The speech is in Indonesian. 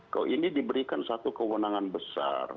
kalau ini diberikan satu kewenangan besar